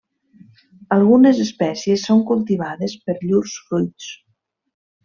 Algunes espècies són cultivades per llurs fruits.